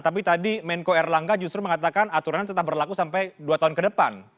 tapi tadi menko erlangga justru mengatakan aturannya tetap berlaku sampai dua tahun ke depan